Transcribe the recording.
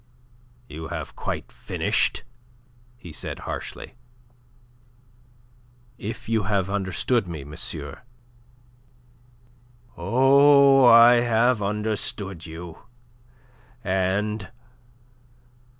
"You have quite finished?" he said harshly. "If you have understood me, monsieur." "Oh, I have understood you, and...